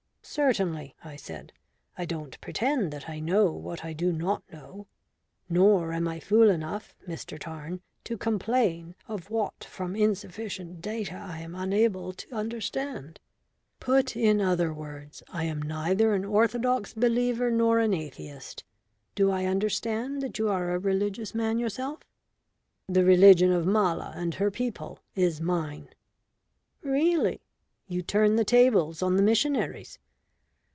"Certainly," I said, "I don't pretend that I know what I do not know. Nor am I fool enough, Mr Tarn, to complain of what from insufficient data I am unable to understand. Put in other words, I am neither an orthodox believer nor an atheist. Do I understand that you are a religious man yourself?" "The religion of Mala and her people is mine." "Really? You turn the tables on the missionaries.